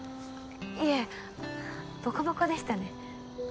いえボコボコでしたね。